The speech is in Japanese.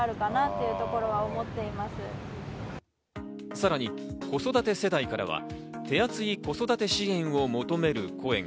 さらに子育て世代からは手厚い子育て支援を求める声が。